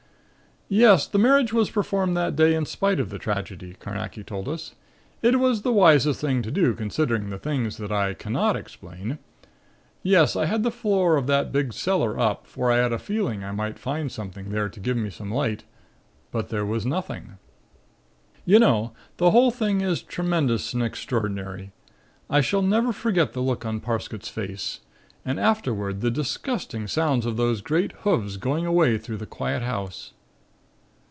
"Yes, the marriage was performed that day in spite of the tragedy," Carnacki told us. "It was the wisest thing to do considering the things that I cannot explain. Yes, I had the floor of that big cellar up, for I had a feeling I might find something there to give me some light. But there was nothing. "You know, the whole thing is tremendous and extraordinary. I shall never forget the look on Parsket's face. And afterward the disgusting sounds of those great hoofs going away through the quiet house."